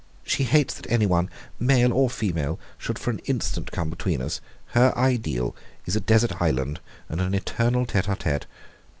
She hates that anyone male or female should for an instant come between us. Her ideal is a desert island and an eternal tete a tete.